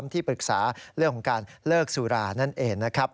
ที่ปรึกษาเรื่องของการเลิกสุรานั่นเองนะครับ